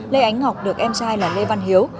lê ánh ngọc được em trai là lê văn hiếu